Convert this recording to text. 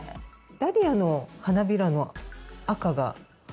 ダリアの花びらの赤が実は。